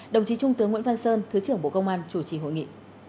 đồng chí trung tướng nguyễn văn sơn thứ trưởng bộ công an chủ trì hội nghị